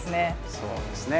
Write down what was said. そうですね。